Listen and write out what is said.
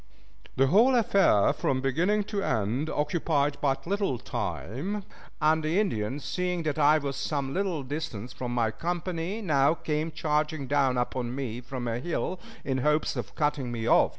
The whole affair from beginning to end occupied but little time, and the Indians, seeing that I was some little distance from my company, now came charging down upon me from a hill, in hopes of cutting me off.